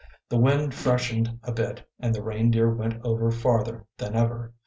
The wind freshened a bit, and the Reindeer went over farther than ever.